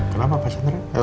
kenapa pak chandra